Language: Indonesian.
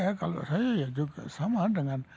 ya kalau saya ya juga sama dengan